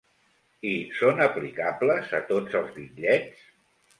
I són aplicables a tots els bitllets?